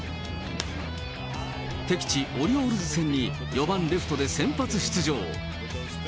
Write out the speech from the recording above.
敵地、オリオールズ戦に４番レフトで先発出場。